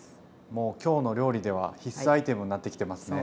もう「きょうの料理」では必須アイテムになってきてますね。